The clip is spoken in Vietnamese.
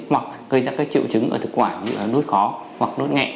hoặc gây ra các triệu chứng ở thực quản như là nốt khó hoặc nốt nghẹn